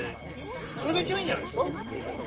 それが一番いいんじゃないですか？